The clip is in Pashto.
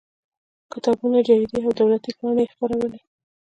کتابونه جریدې او دولتي پاڼې یې خپرولې.